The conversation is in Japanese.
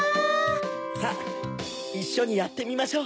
さぁいっしょにやってみましょう！